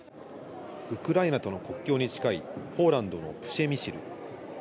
ウクライナとの国境に近い、ポーランドのプシェミシル。